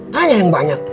tanya yang banyak